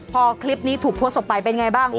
พอคลิปนี้ถูกโพสต์ออกไปเป็นไงบ้าง